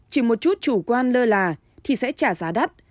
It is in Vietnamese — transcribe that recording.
chỉ một chút chủ quan lơ là thì sẽ trả giá đắt